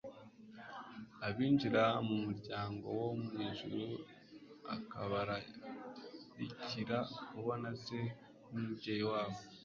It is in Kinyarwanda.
Abinjiza mu muryango wo mu ijuru akabararikira kubona Se nk'umubyeyi wabo.